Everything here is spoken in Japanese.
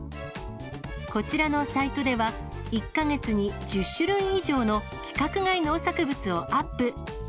こちらのサイトでは、１か月に１０種類以上の規格外農作物をアップ。